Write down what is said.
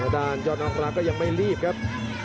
ด้านยอดออกราฟก็ยังไม่รีบครับ